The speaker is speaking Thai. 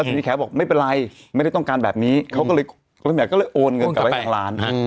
ทีนี้แขกบอกไม่เป็นไรไม่ได้ต้องการแบบนี้เขาก็เลยโอนเงินกลับไปทางร้าน